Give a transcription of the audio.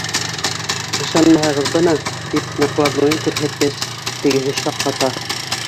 Ышанмаһағыҙ, бына, — тип накладнойын күрһәткәс, тегеһе шаҡ ҡата.